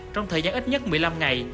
trong thời gian ít nhất một mươi năm ngày